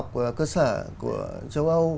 của châu âu